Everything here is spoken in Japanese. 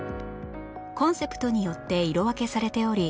コンセプトによって色分けされており